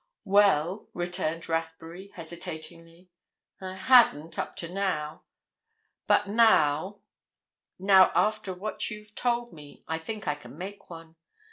"Well," returned Rathbury, hesitatingly, "I hadn't, up to now. But now—now, after what you've told me, I think I can make one.